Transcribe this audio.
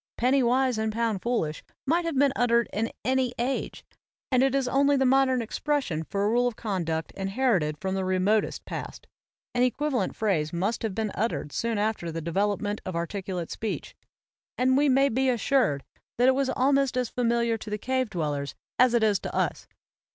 "Penny wise and pound foolish" might have been uttered in any age; and it is only the modern expression for a rule of conduct inherited from the remotest past. An equivalent phrase must have been uttered soon after the development of articulate speech; and we may be assured that it was al ;is familiar to the cave dwellers as it is to us.